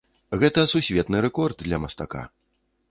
Гэта сусветны рэкорд для мастака.